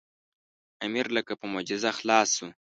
امیر لکه په معجزه خلاص شو.